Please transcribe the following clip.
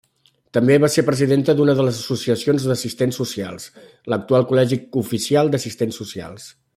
També va ser presidenta d'una de les associacions d'assistents socials, l'actual Col·legi Oficial d'Assistents Socials.